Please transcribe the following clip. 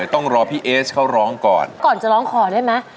ต้องรอพี่เอสเขาร้องก่อนก่อนจะร้องขอได้ไหม